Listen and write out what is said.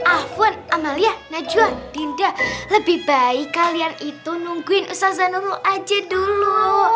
ahvon amalia najwa dinda lebih baik kalian itu nungguin usah nurul aja dulu